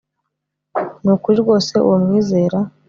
ni ukuri rwose uwo mwizera